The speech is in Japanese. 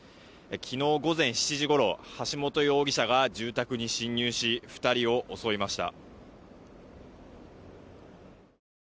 昨日午前７時ごろ橋本容疑者が住宅に侵入し２人を襲いました。